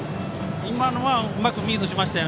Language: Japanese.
今のはうまくミートしました。